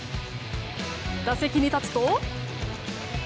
打席に立つと。